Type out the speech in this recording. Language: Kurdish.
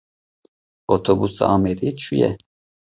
Otobûsa Amedê çûye.